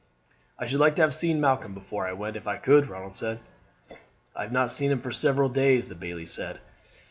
"I should like to have seen Malcolm before I went, if I could," Ronald said. "I have not seen him for several days," the bailie said.